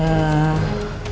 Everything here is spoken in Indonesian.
soal makam menendi